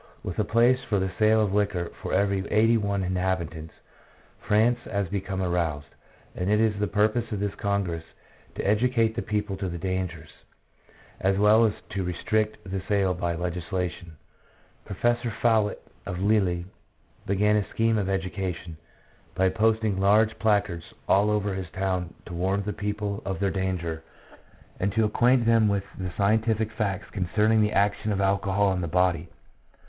With a place for the sale of liquor for every eighty one inhabitants, France has become aroused, and it is the purpose of this congress to educate the people to the dangers, as well as to restrict the sale by legislation. Professor Foulet, of Lille, began a scheme of education by posting large placards all over his town to warn the people of their danger, and to acquaint them with the scientific facts concerning INTRODUCTION. 5 the action of alcohol on the body.